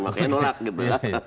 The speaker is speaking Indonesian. makanya menolak gitu